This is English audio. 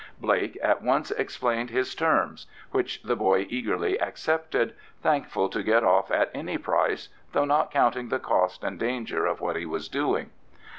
Blake at once explained his terms, which the boy eagerly accepted, thankful to get off at any price, though not counting the cost and danger of what he was doing.